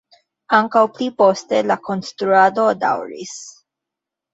Ankaŭ pli poste la konstruado daŭris.